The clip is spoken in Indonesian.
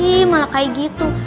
ih malah kayak gitu